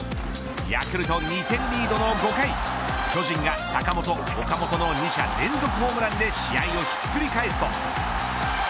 ヤクルト２点リードの５回巨人が坂本、岡本の２者連続ホームランで試合をひっくり返すと。